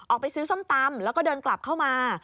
ออกไปซื้อส้มตำแล้วก็เดินกลับเข้ามา